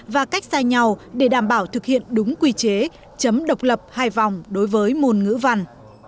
và cách sai nhau để đảm bảo thực hiện đúng quy chế chấm độc lập hai vòng đối với môn ngữ văn